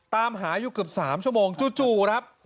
ตามหาอยู่กับสามชั่วโมงจู่